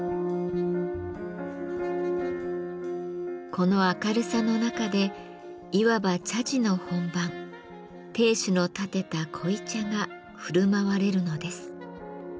この明るさの中でいわば茶事の本番亭主のたてた濃茶がふるまわれるのです。